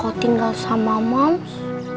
kalau aku tinggal sama moms